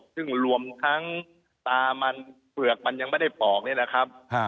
ซึ่งรวมทั้งตามันเปลือกมันยังไม่ได้ปอกนี่แหละครับ